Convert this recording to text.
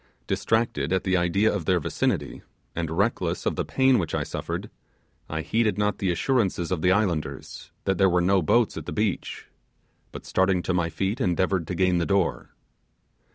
Distracted at the idea of their vicinity, and reckless of the pain which I suffered, I heeded not the assurances of the islanders, that there were no boats at the beach, but starting to my feet endeavoured to gain the door.